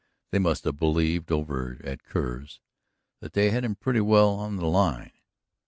They must have believed over at Kerr's that they had him pretty well on the line.